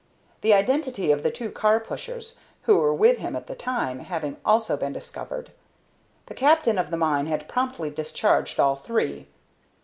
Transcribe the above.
The identity of the two car pushers who were with him at the time having also been discovered, the captain of the mine had promptly discharged all three.